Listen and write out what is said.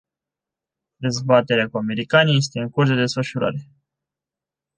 Dezbaterea cu americanii este în curs de desfășurare.